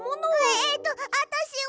えとあたしは。